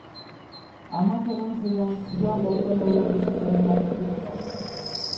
Amak erran zidan joan beharko nuela bisitaren bat egitera.